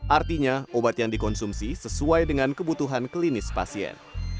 artinya obat yang dikonsumsi sesuai dengan kebutuhan klinis pasien